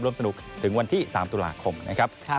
สนุกถึงวันที่๓ตุลาคมนะครับ